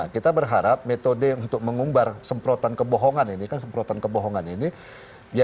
kita berharap metode untuk mengumbar semprotan kebohongan ini